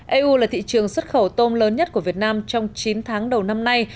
eu là thị trường xuất khẩu tôm lớn nhất của việt nam trong chín tháng đầu năm nay